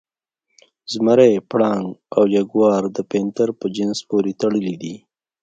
زمری، پړانګ او جګوار د پینتر په جنس پورې تړلي دي.